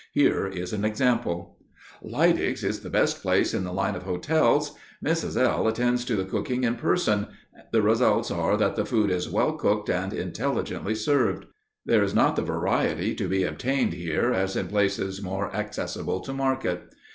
Here is an example: Leidig's is the best place in the line of hotels. Mrs. L—— attends to the cooking in person; the results are that the food is well cooked and intelligently served. There is not the variety to be obtained here as in places more accessible to market.